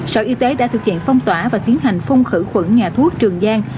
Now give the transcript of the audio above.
sở y tế đã thực hiện phong tỏa và tiến hành phun khử khuẩn nhà thuốc trường giang